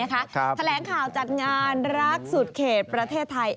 แถลงข่าวจัดงานรักสุดเขตประเทศไทย